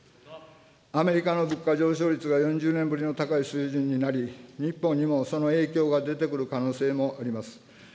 アメリカの物価上昇率が４０年ぶりの高い水準になり、日本にもその影響が出てくる可能性もあります。